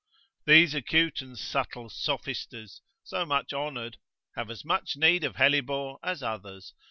——— These acute and subtle sophisters, so much honoured, have as much need of hellebore as others.